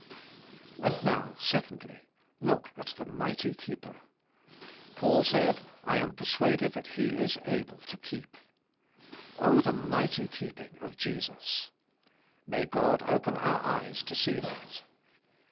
And now, secondly: Look at the mighty keeper. Paul said, "I am persuaded that He is able to keep." Oh, the mighty keeping of Jesus! May God open our eyer to see that.